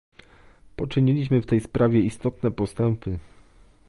Poczyniliśmy w tej sprawie istotne postępy